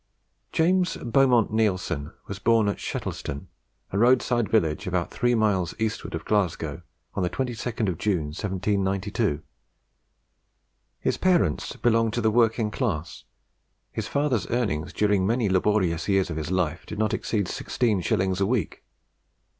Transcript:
James Beaumont Neilson was born at Shettleston, a roadside village about three miles eastward of Glasgow, on the 22nd of June, 1792. His parents belonged to the working class. His father's earnings during many laborious years of his life did not exceed sixteen shillings a week.